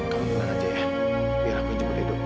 kamu tenang aja ya biar aku cek edo dulu ya